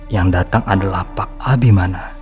yang datang adalah pak abimana